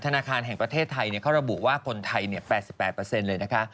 ธนาคารแห่งประเทศไทยเขาระบุว่าคนไทย๘๘เลยนะคะ